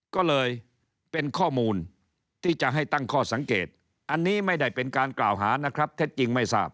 ก็เลยเป็นข้อมูลที่จะให้ตั้งข้อสังเกตอันนี้ไม่ได้เป็นการกล่าวหานะครับเท็จจริงไม่ทราบ